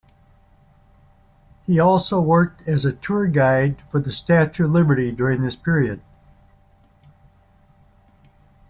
He also worked as tour guide for the Statue of Liberty during this period.